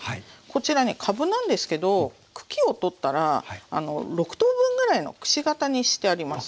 こちらねかぶなんですけど茎を取ったら６等分ぐらいのくし形にしてあります。